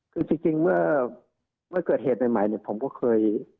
คือจริงเมื่อเกิดเหตุไหนผมก็เคย